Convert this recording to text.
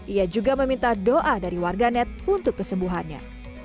ia juga meminta doa dari warga net untuk kesembuhannya